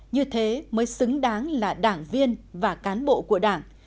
như thế mới xứng đáng là đảng viên và cán bộ của đảng